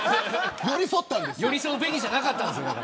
寄り添うべきじゃなかったんです。